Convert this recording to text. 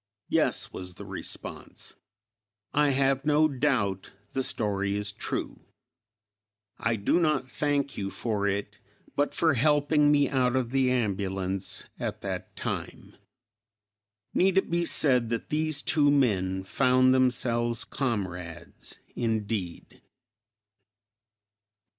"Yes," was the response, "I have no doubt the story is true. I do not thank you for it, but for helping me out of the ambulance at that time." Need it be said that these two men found themselves comrades, indeed?